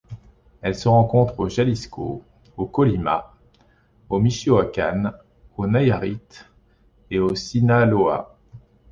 Elle se rencontre au Jalisco, au Colima, au Michoacán, au Nayarit et au Sinaloa.